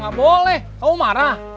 gak boleh kamu marah